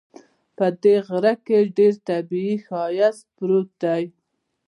په دې غره کې ډېر طبیعي ښایست پروت ده